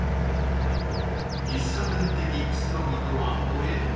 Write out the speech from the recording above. ［喫茶店的くつろぎとは無縁の空間］